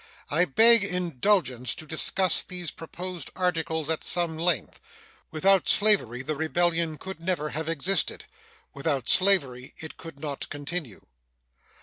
I beg indulgence to discuss these proposed articles at some length. Without slavery the rebellion could never have existed; without slavery it could not continue.